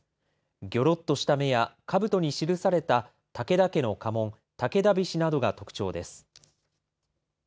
ぎょろっとした目や、かぶとに記された武田家の家紋、武田菱などが特徴です。